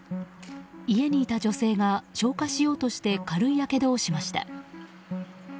家にいた女性が消火しようとして軽いやけどをしました。